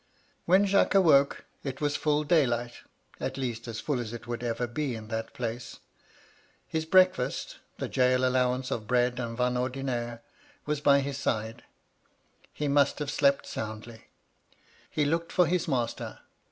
" When Jacques awoke it was full daylight — at least as full as it would ever be in that place. His breakfast — ^the gaol allowance of bread and vin ordinaire — ^was by his side. He must have slept soundly. He looked for his master.